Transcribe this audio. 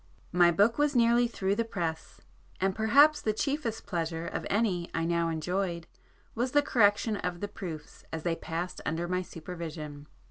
My book was nearly through the press,—and perhaps the chiefest pleasure of any I now enjoyed was the correction of the proofs as they passed under my supervision.